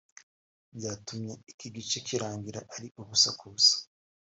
byatumye iki gice kirangira ari ubusa ku busa